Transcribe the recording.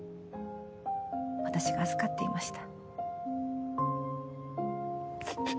私が預かっていました。